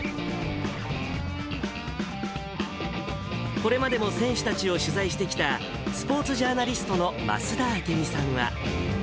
これまでも選手たちを取材してきたスポーツジャーナリストの増田明美さんは。